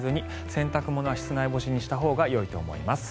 洗濯物は室内干しにしたほうがいいと思います。